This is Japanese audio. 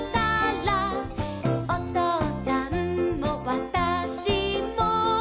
「おとうさんもわたしも」